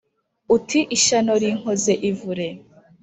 uti ishyano rinkoze ivure.